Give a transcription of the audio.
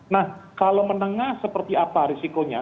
nah kalau menengah seperti apa risikonya